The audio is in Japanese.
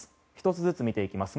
１つずつ見ていきます。